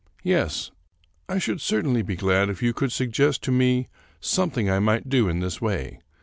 " Yes, I should certainly be glad if you could suggest to me something I might do in this way.